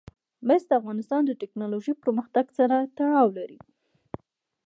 مس د افغانستان د تکنالوژۍ پرمختګ سره تړاو لري.